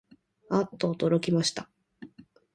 あっとおどろきました